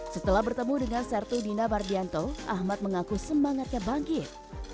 setelah bertemu dengan sertudina bardianto ahmad mengaku semangatnya bangkit